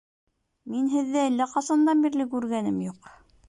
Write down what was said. Мин һеҙҙе әллә ҡасандан бирле күргәнем юҡ!